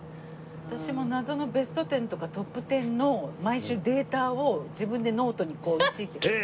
私も謎の『ベストテン』とか『トップテン』の毎週データを自分でノートにこう１位って。